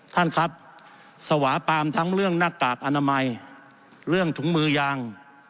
ท่านครับสวาปามทั้งเรื่องหน้ากากอนามัยเรื่องถุงมือยาง